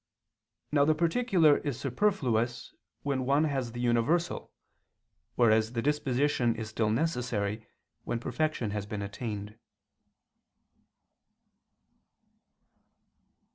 Now the particular is superfluous when one has the universal, whereas the disposition is still necessary when perfection has been attained.